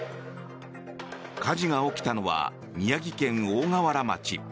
火事が起きたのは宮城県大河原町。